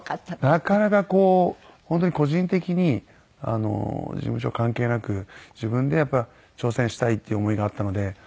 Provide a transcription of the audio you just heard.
なかなかこう本当に個人的に事務所関係なく自分で挑戦したいっていう思いがあったので。